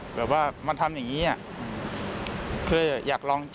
แบบว่ามันทำอย่างนี้เพื่ออยากลอง